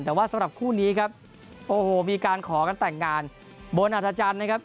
แต่ว่าสำหรับคู่นี้ครับโอ้โหมีการขอกันแต่งงานบนอัธจันทร์นะครับ